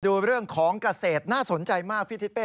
ดูเรื่องของเกษตรน่าสนใจมากพี่ทิเป้